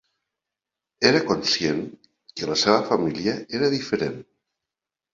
Era conscient que la seva família era diferent.